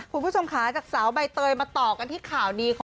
คุณผู้ชมค่ะจากสาวใบเตยมาต่อกันที่ข่าวดีของ